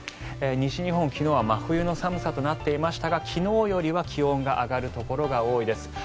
西日本、昨日は真冬の寒さとなっていましたが昨日よりは気温が上がるところが多いです。